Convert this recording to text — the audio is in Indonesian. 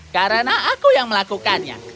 karena aku yang melakukannya